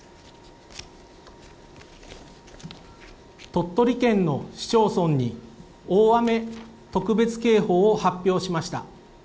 鳥取県の市町村に、大雨特別警報を発表しました。